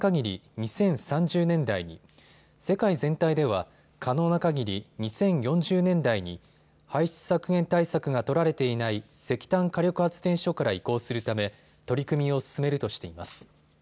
２０３０年代に、世界全体では可能なかぎり、２０４０年代に、排出削減対策が取られていない石炭火力発電所から移行するため取り組みを進めるとしています。